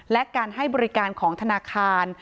และการให้บริการของธนาคาร